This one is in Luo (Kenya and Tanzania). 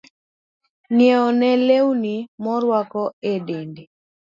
Ng'iewne lewni moruako e dende.